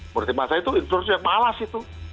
menurut saya itu instruksi yang malas itu